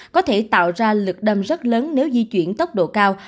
có thể tạo ra lực đâm rất lớn nếu di chuyển tốc độ cao